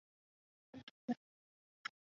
圣艾尼昂大地。